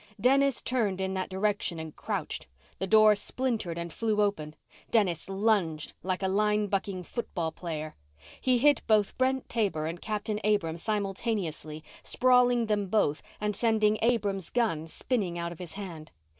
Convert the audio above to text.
Dennis turned in that direction and crouched. The door splintered and flew open. Dennis lunged, like a line bucking football player. He hit both Brent Taber and Captain Abrams simultaneously, sprawling them both and sending Abrams' gun spinning out of his hand.